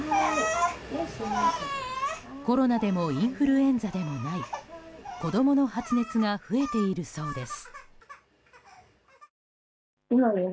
コロナでもインフルエンザでもない子供の発熱が増えているそうです。